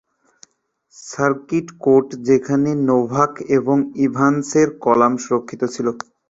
Circuit court, যেখানে Novak এবং ইভান্সের কলাম সুরক্ষিত ছিল।